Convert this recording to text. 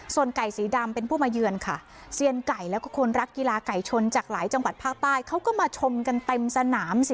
ส่วนไก่สีดำเป็นผู้มายืนค่ะเสียนไก่แล้วก็คนรักกีฬาไก่ชนจากหลายจังหวัดภาคใต้